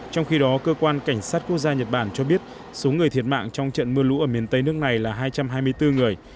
trong khi đó cơ quan cảnh sát quốc gia nhật bản cho biết số người thiệt mạng trong trận mưa lũ ở miền tây nước này là hai trăm hai mươi bốn người